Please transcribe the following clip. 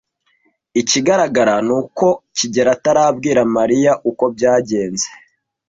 Ikigaragara ni uko kigeli atarabwira Mariya uko byagenze.